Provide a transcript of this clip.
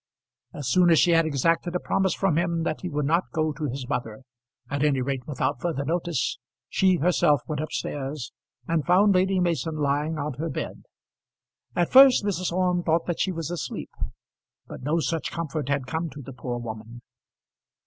As soon as she had exacted a promise from him that he would not go to his mother, at any rate without further notice, she herself went up stairs and found Lady Mason lying on her bed. At first Mrs. Orme thought that she was asleep, but no such comfort had come to the poor woman.